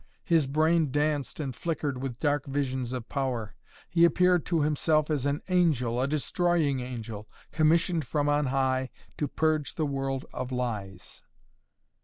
His brain danced and flickered with dark visions of power. He appeared to himself as an angel, a destroying angel, commissioned from on high to purge the world of lies.